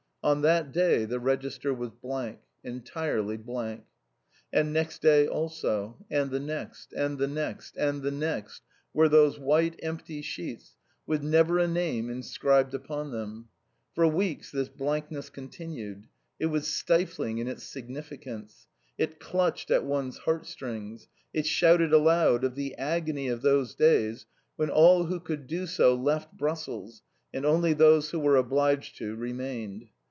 On that day the register was blank, entirely blank. And next day also, and the next, and the next, and the next, were those white empty sheets, with never a name inscribed upon them. For weeks this blankness continued. It was stifling in its significance. It clutched at one's heart strings. It shouted aloud of the agony of those days when all who could do so left Brussels, and only those who were obliged to remained.